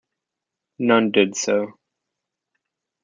None did so.